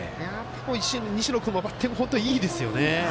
西野君も本当にバッティングいいですよね。